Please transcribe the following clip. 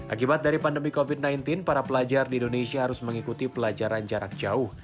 akibat dari pandemi covid sembilan belas para pelajar di indonesia harus mengikuti pelajaran jarak jauh